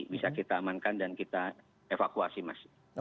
bisa kita amankan dan kita evakuasi masing masing